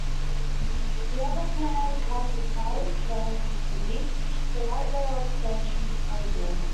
The other plan comes as part of Transit City, the Light Rail expansion proposal.